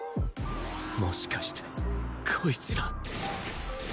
もしかしてこいつら